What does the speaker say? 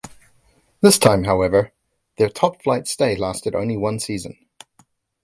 This time, however, their top flight stay lasted only one season.